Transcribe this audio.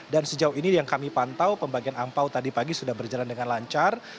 dan sejauh ini yang kami pantau pembagian angpao tadi pagi sudah berjalan dengan lancar